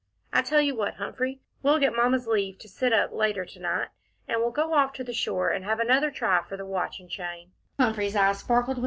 I tell you what, Humphrey, we'll get Mamma's leave to sit up later to night, and we'll go off to the shore and have another try for the watch and chain."